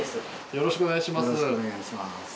よろしくお願いします。